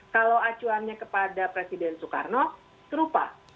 kalau acuannya kepada presiden soekarno serupa